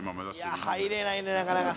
「いや入れないねなかなか」